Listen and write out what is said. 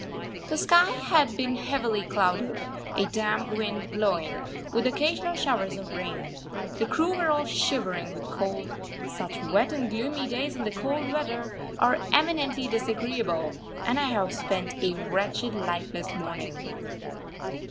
The sky had been heavily clouded, a damp wind blowing, with occasional showers of rain. The crew were all shivering with cold. Such wet and gloomy days in the cold weather are eminently disagreeable, and I have spent a wretched lifeless morning.